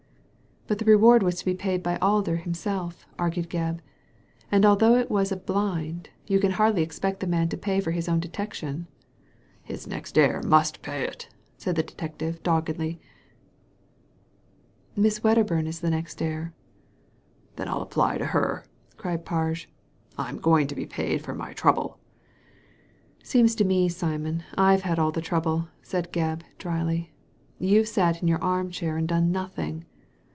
" But the reward was to be paid by Alder himself," argued Gebb ;and although it was a blind, you can hardly expect the man to pay for his own detection." '^His next heir must pay itl" said the ex* detective, doggedly. " Miss Wedderburn is the next heir." "Then I'll apply to her," cried Parge, "Fm going to be paid for my trouble." ''Seems to me, Simon, IVe had all the trouble,'* said Gebb, dryly. "You've sat in your armchair and done nothing."